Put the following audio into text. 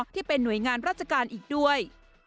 ที่เป็นหน่วยงานราชการอีกด้วย